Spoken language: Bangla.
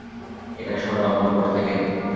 এটা সরাও আমার ওপর থেকে।